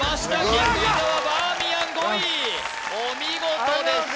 キング伊沢バーミヤン５位お見事でした